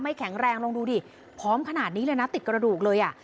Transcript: แข็งแรงลองดูดิพร้อมขนาดนี้เลยนะติดกระดูกเลยอ่ะ